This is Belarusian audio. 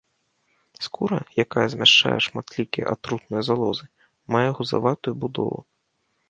Скура, якая змяшчае шматлікія атрутныя залозы, мае гузаватую будову.